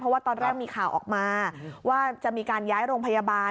เพราะว่าตอนแรกมีข่าวออกมาว่าจะมีการย้ายโรงพยาบาล